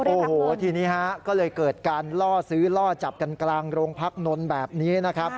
โอ้โหทีนี้ฮะก็เลยเกิดการล่อซื้อล่อจับกันกลางโรงพักนนท์แบบนี้นะครับ